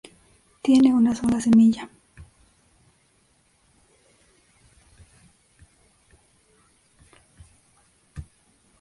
Tiene una sola semilla.